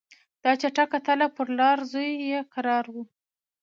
دا چټکه تله پر لار زوی یې کرار وو